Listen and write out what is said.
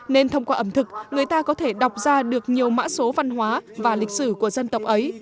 nên thông qua ẩm thực người ta có thể đọc ra được nhiều mã số văn hóa và lịch sử của dân tộc ấy